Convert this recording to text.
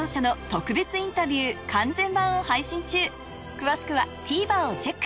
詳しくはＴＶｅｒをチェック